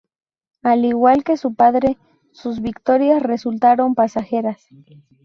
Al igual que su padre, sus victorias resultaron pasajeras.